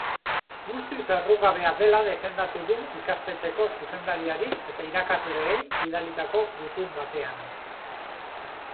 Guztiz errugabea dela defendatu du ikastetxeko zuzendariari eta irakasleei bidalitako gutun batean.